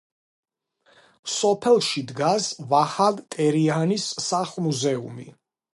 სოფელში დგას ვაჰან ტერიანის სახლ-მუზეუმი.